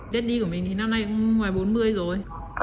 daddy của mình thì năm nay cũng ngoài bốn mươi rồi